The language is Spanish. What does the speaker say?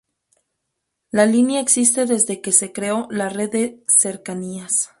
La línea existe desde que se creó la red de cercanías.